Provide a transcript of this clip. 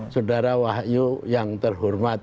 sudara wahyu yang terhormat